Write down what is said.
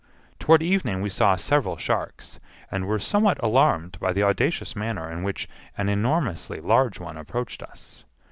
Toward evening we saw several sharks, and were somewhat alarmed by the audacious manner in which an enormously large one approached us.